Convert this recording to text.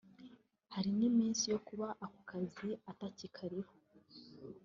hari n’iminsi yo kuba ako kazi atakikariho